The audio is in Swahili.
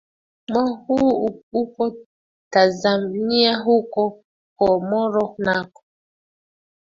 mo huu uko tanzania huko comoro nako